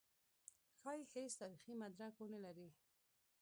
ښايي هېڅ تاریخي مدرک ونه لري.